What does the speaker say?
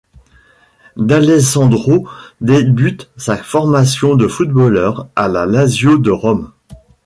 D'Alessandro débute sa formation de footballeur à la Lazio de Rome.